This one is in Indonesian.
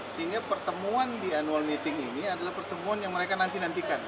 sehingga pertemuan di annual meeting ini adalah pertemuan yang mereka nanti nantikan